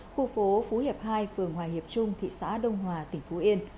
khu phố phú hiệp hai phường hòa hiệp trung thị xã đông hòa tỉnh phú yên